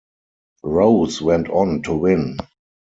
Rose went on to win.